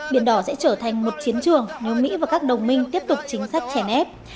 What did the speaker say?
biển đỏ sẽ trở thành một chiến trường nếu mỹ và các đồng minh tiếp tục chính sách chèn ép